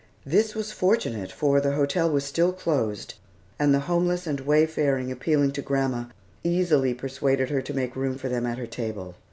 This was fortunate, for the hotel was still closed, and the homeless and wayfaring appealing to grandma, easily persuaded her to make room for them at her table.